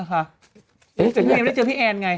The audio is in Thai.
แล้วยังไม่ได้เจอพี่แอนไง